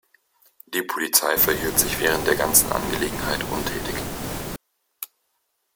Die Polizei verhielt sich während der ganzen Angelegenheit untätig.